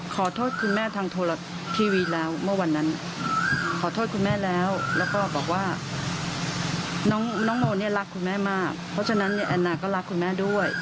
คุณแม่ก็ให้อภัยเข้าไปร้อยเปอร์เซ็นต์แล้ว